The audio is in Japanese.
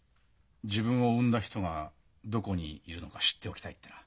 自分を産んだ人がどこにいるのか知っておきたいってな。